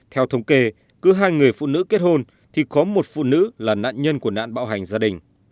theo thống kê cứ hai người phụ nữ kết hôn thì có một phụ nữ là nạn nhân của nạn bạo hành gia đình